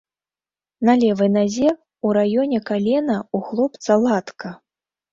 На левай назе ў раёне калена ў хлопца латка.